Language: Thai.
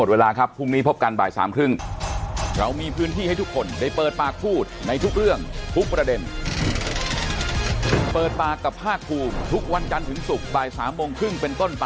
เวลาครับพรุ่งนี้พบกันบ่ายสามครึ่ง